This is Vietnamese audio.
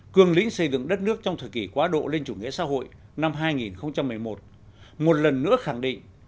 cường lĩnh xây dựng đất nước trong thời kỳ quá độ lên chủ nghĩa xã hội năm hai nghìn một mươi một một lần nữa khẳng định